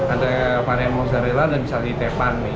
ada varian mozzarella dan bisa ditepan nih